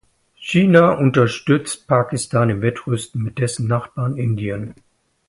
China unterstützt Pakistan im Wettrüsten mit dessen Nachbarn Indien.